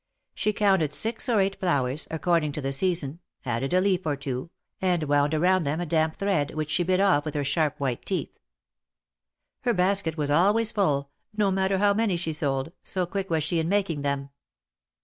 She counted six or eight flowers, according to the season, added a leaf or two, and wound around them a damp thread, which she bit off with her sharp white teeth. Her basket was always full, no matter how many she sold, so quick was she in making them.